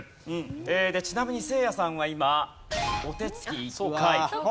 ちなみにせいやさんは今お手つき１回。